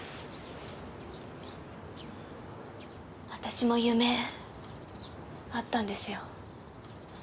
私も夢あったんですよ。